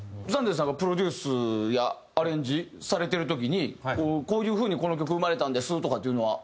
Ｓｕｎｄａｙさんがプロデュースやアレンジされてる時にこういう風にこの曲生まれたんですとかっていうのは。